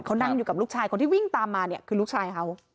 เขานั่งอยู่กับลูกชายคนที่วิ่งตามมาเนี่ยคือลูกชายเขา